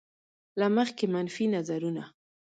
له مخکې منفي نظرونه.